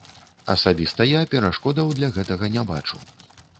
Асабіста я перашкодаў для гэтага не бачу.